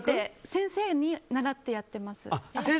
先生に習ってやってます。